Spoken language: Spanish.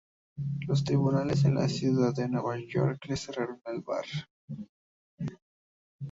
Los tribunales de la ciudad de Nueva York le cerraron el bar.